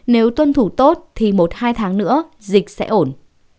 nếu tuân thủ tốt thì một hai tháng nữa dịch sẽ ổn